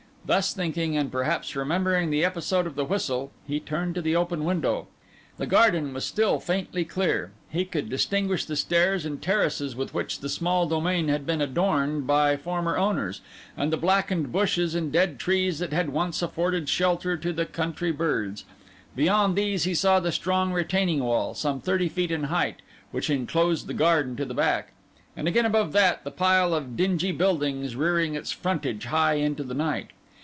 Thus thinking, and perhaps remembering the episode of the whistle, he turned to the open window. The garden was still faintly clear; he could distinguish the stairs and terraces with which the small domain had been adorned by former owners, and the blackened bushes and dead trees that had once afforded shelter to the country birds; beyond these he saw the strong retaining wall, some thirty feet in height, which enclosed the garden to the back; and again above that, the pile of dingy buildings rearing its frontage high into the night.